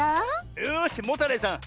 よしモタレイさん